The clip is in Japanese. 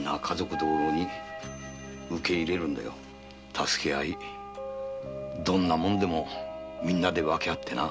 助け合いどんな物でもみんなで分けあってな。